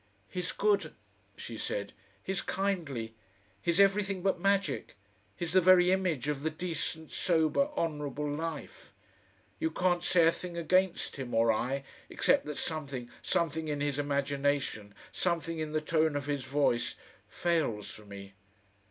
"He's good," she said; "he's kindly. He's everything but magic. He's the very image of the decent, sober, honourable life. You can't say a thing against him or I except that something something in his imagination, something in the tone of his voice fails for me.